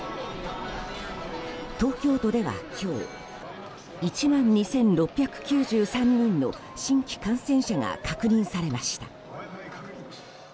東京都では今日１万２６９３人の新規感染者が確認されました。